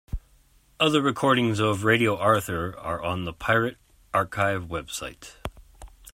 Other recordings of Radio Arthur are on the Pirate Archive website.